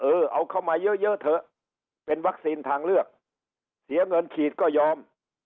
เอาเข้ามาเยอะเยอะเถอะเป็นวัคซีนทางเลือกเสียเงินฉีดก็ยอม